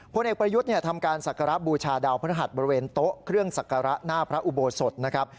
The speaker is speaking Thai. พลเอกประยุทธ์ทำการศักระบูชาดาวพระหัสบริเวณโต๊ะเครื่องสักการะหน้าพระอุโบสถนะครับ